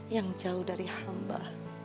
yang jauh dari hamba